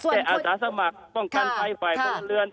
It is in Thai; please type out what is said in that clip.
แต่อาสาสมัครป้องกันไฟไฟพละเรือน